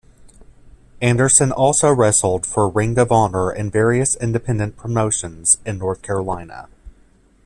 Anderson also wrestled for Ring of Honor and various independent promotions in North Carolina.